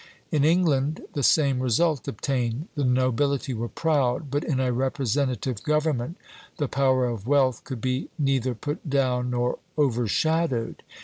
In England the same result obtained. The nobility were proud; but in a representative government the power of wealth could be neither put down nor overshadowed.